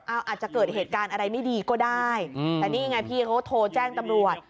อาจจะเกิดเหตุการณ์อะไรไม่ดีก็ได้แต่นี่ไงพี่เขาโทรแจ้งตำรวจ